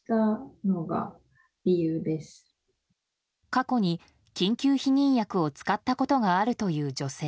過去に緊急避妊薬を使ったことがあるという女性。